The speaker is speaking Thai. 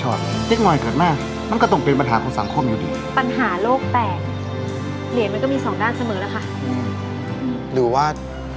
เหรียญนั้นก็มีสองด้านเสมอละค่ะหรือว่า